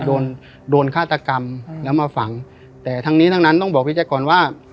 โดนโดนฆาตกรรมแล้วมาฝังแต่ทั้งนี้ทั้งนั้นต้องบอกพี่แจ๊คก่อนว่า